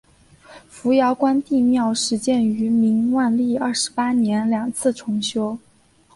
扶摇关帝庙始建于明万历二十八年两次重修。